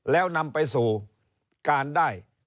แล้วนำไปสู่การได้